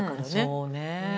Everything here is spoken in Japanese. そうねえ。